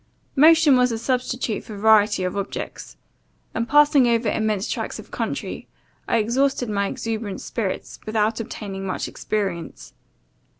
Motion was a substitute for variety of objects; and, passing over immense tracks of country, I exhausted my exuberant spirits, without obtaining much experience.